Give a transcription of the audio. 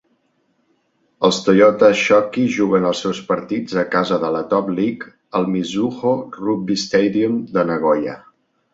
Els Toyota Shokki juguen els seus partits a casa de la Top League al Mizuho Rugby Stadium de Nagoya.